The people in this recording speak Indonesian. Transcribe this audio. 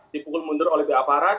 dipukul mundur oleh aparat